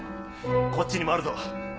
こっちにもあるぞ。